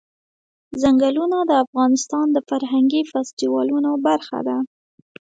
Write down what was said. چنګلونه د افغانستان د فرهنګي فستیوالونو برخه ده.